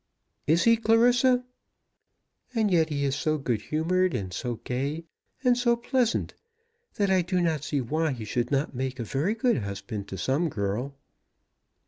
"Is he, Clarissa?" "And yet he is so good humoured, and so gay, and so pleasant, that I do not see why he should not make a very good husband to some girl."